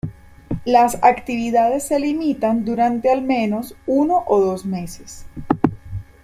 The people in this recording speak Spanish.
Las actividades se limitan durante al menos uno o dos meses.